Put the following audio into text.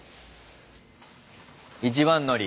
一番乗り。